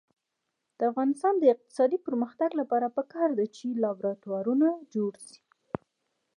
د افغانستان د اقتصادي پرمختګ لپاره پکار ده چې لابراتوارونه جوړ شي.